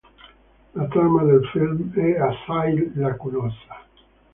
La trama del film è assai lacunosa.